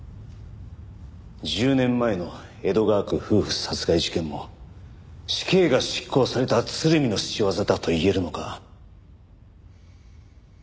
１０年前の江戸川区夫婦殺害事件も死刑が執行された鶴見の仕業だといえるのか？